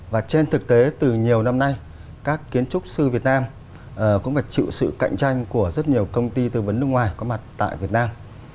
và trên thực tế từ nhiều năm nay các kiến trúc sư việt nam cũng phải chịu sự cạnh tranh của rất nhiều công ty tư vấn nước ngoài có mặt tại việt nam